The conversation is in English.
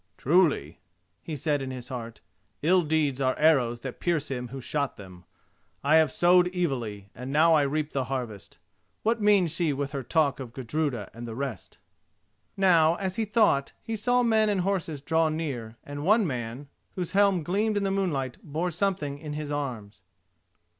"Truly," he said in his heart, "ill deeds are arrows that pierce him who shot them. I have sowed evilly, and now I reap the harvest. What means she with her talk of Gudruda and the rest?" Now as he thought, he saw men and horses draw near, and one man, whose helm gleamed in the moonlight, bore something in his arms.